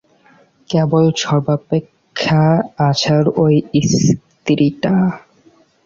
কেবল সর্বাপেক্ষা অসার ঐ স্ত্রীটা!